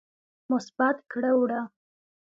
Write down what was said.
مثبت کړه وړه